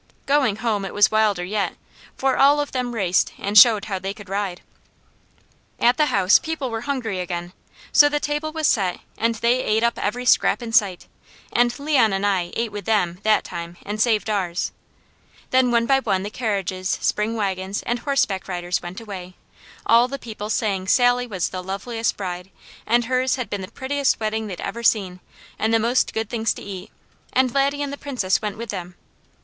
Going home it was wilder yet, for all of them raced and showed how they could ride. At the house people were hungry again, so the table was set and they ate up every scrap in sight, and Leon and I ate with them that time and saved ours. Then one by one the carriages, spring wagons, and horseback riders went away, all the people saying Sally was the loveliest bride, and hers had been the prettiest wedding they'd ever seen, and the most good things to eat, and Laddie and the Princess went with them.